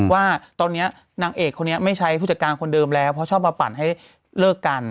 ว่าตอนนี้นางเอกคนนี้ไม่ใช้ผู้จัดการคนเดิมแล้วเพราะชอบมาปั่นให้เลิกกัน